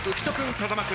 風間君。